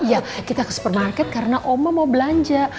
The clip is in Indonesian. oh iya kita ke supermarket karena oma mau belanja